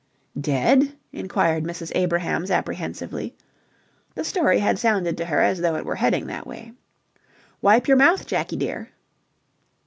"Dead?" inquired Mrs. Abrahams, apprehensively. The story had sounded to her as though it were heading that way. "Wipe your mouth, Jakie dear."